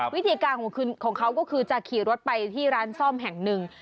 วิธีการของเขาก็คือจะขี่รถไปที่ร้านซ่อมแห่งหนึ่ง